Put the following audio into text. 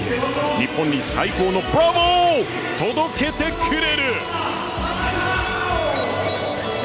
日本に最高のブラボーを届けてくれ！